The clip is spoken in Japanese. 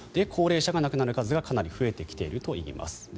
高齢者が亡くなる数がかなり増えてきているといいます。